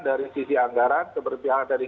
dari sisi anggaran keberpihakan dari